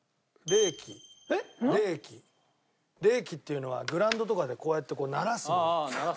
レーキっていうのはグラウンドとかでこうやってならす。